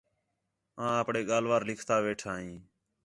آں آپݨے ڳالھ وار لکھتا ویٹھا ہیں